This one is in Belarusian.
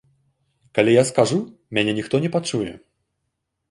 Калі я скажу, мяне ніхто не пачуе.